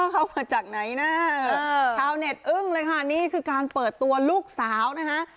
เข้ามาจากไหนนะชาวเน็ตอึ้งเลยค่ะนี่คือการเปิดตัวลูกสาวนะคะ